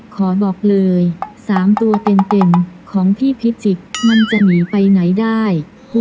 ขอบอกเลย๓ตัวเต็มของพี่พิจิกมันจะหนีไปไหนได้